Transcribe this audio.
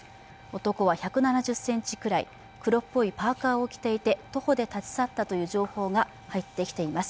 男は１７０ｃｍくらい黒っぽいパーカーを着ていて徒歩で立ち去ったという情報が入ってきています。